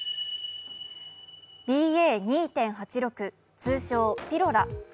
ＢＡ．２．８６、通称ピロラ。